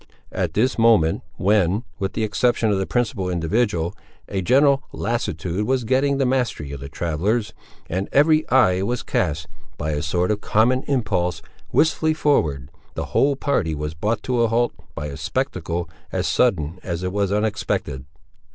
At this moment, when, with the exception of the principal individual, a general lassitude was getting the mastery of the travellers, and every eye was cast, by a sort of common impulse, wistfully forward, the whole party was brought to a halt, by a spectacle, as sudden as it was unexpected.